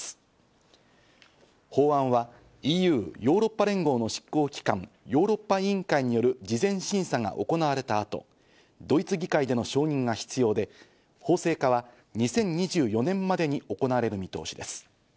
法案はＥＵ＝ヨーロッパ連合の執行機関、ヨーロッパ委員会による事前審査が行われた後、ドイツ議会での承認が必要で、法制化は２０２４年までに行われる見通しです。